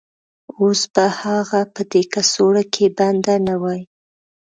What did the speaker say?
اوس به هغه په دې کڅوړه کې بنده نه وای